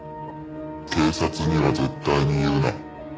「警察には絶対に言うな」